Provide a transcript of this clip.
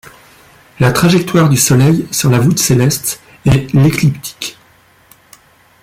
La trajectoire du Soleil sur la voûte céleste est l'écliptique.